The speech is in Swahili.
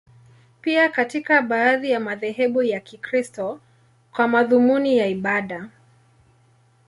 Pia katika baadhi ya madhehebu ya Kikristo, kwa madhumuni ya ibada.